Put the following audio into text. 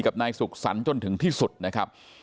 นายสุขสรรค์จนถึงที่สุดนะครับ